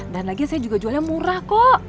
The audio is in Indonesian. dan lagi saya juga jualnya murah kok